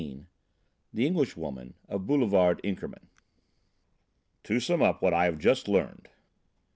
XIX THE ENGLISHWOMAN OF BOULEVARD INKERMANN "To sum up what I have just learned."